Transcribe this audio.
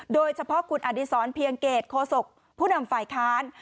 โดยเฉพาะคุณอดีศรเพียงเกตโคศกผู้นำฝ่ายค้าน